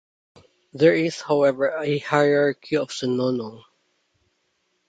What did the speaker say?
There is, however, a hierarchy of tsunono.